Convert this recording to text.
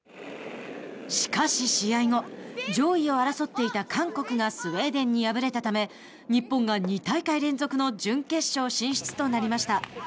しかし試合後上位を争っていた韓国がスウェーデンに敗れたため日本が２大会連続の準決勝進出となりました。